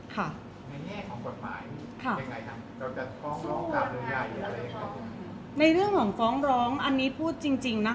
เพราะว่าสิ่งเหล่านี้มันเป็นสิ่งที่ไม่มีพยาน